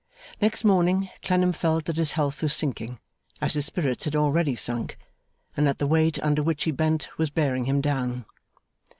Next morning, Clennam felt that his health was sinking, as his spirits had already sunk and that the weight under which he bent was bearing him down.